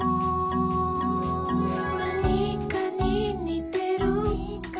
「なにかににてる」